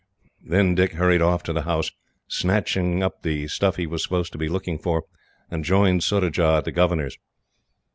Then Dick hurried off to the house, snatched up the stuff he was supposed to be looking for, and joined Surajah at the governor's.